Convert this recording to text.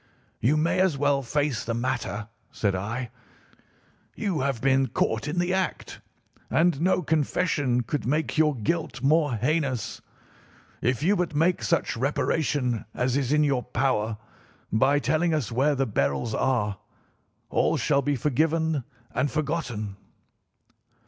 "'You may as well face the matter,' said I; 'you have been caught in the act, and no confession could make your guilt more heinous. If you but make such reparation as is in your power, by telling us where the beryls are, all shall be forgiven and forgotten.